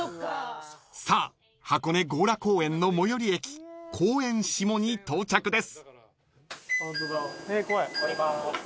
［さあ箱根強羅公園の最寄り駅公園下に到着です］